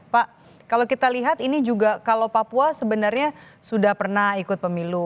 pak kalau kita lihat ini juga kalau papua sebenarnya sudah pernah ikut pemilu